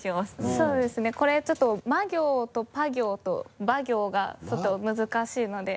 そうですねこれちょっとマ行とパ行とバ行がちょっと難しいので。